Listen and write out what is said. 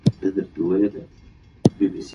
د زوی د کار د تفریح وخت اوس په بشپړ ډول تېر شوی و.